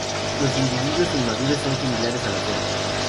Los individuos inmaduros son similares a las hembras.